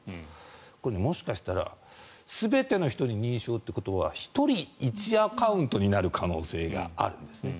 これ、もしかしたら全ての人に認証ということは１人１アカウントになる可能性があるんですね。